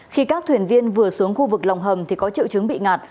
khi các thuyền viên vừa xuống khu vực lòng hầm thì có triệu chứng bị ngạt